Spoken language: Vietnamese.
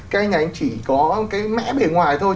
cái nhà anh chỉ có cái mẽ bề ngoài thôi